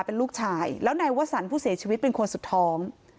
เป็นลูกชายแล้วนายวสันผู้เสียชีวิตเป็นคนสุดท้อง